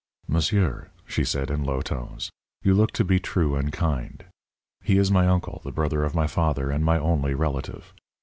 "Monsieur," she said, in low tones, "you look to be true and kind. He is my uncle, the brother of my father, and my only relative.